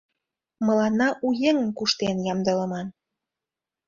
Мыланна у еҥым куштен ямдылыман...